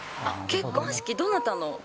結婚式、どなたの？